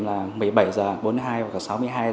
một mươi bảy h bốn mươi hai hoặc sáu mươi hai h